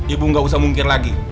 ibu gak usah mungkin lagi